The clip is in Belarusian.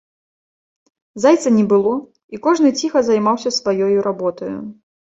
Зайца не было, і кожны ціха займаўся сваёю работаю.